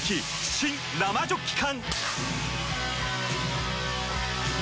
新・生ジョッキ缶！